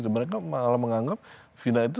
mereka malah menganggap vina itu